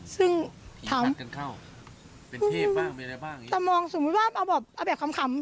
ซึ่งถามอืมแต่มองสมมุติว่าเอาแบบคำ